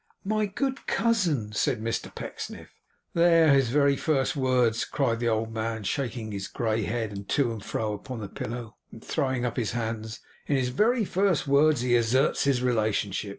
'My good cousin ' said Mr Pecksniff. 'There! His very first words!' cried the old man, shaking his grey head to and fro upon the pillow, and throwing up his hands. 'In his very first words he asserts his relationship!